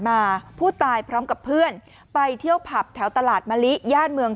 มาผู้ตายพร้อมกับเพื่อนไปเที่ยวผับแถวตลาดมะลิย่านเมือง